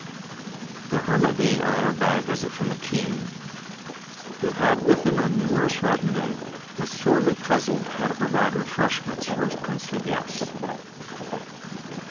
The hermit being honored by a visit from the king, who had with him a numerous retinue, was sorely puzzled how to provide refreshments for his princely guests.